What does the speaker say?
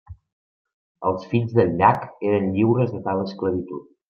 Els fills del llac eren lliures de tal esclavitud.